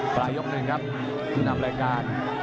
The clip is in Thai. ปรายกรณ์นั้นครับนำรายการ